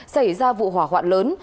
xảy ra vụ hỏa hoạn lớn